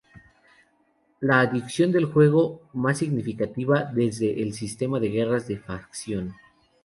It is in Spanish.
La adición de juego más significativa desde es el sistema de guerras de facción.